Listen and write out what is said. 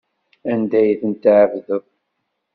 Anda ay ten-tɛebdeḍ?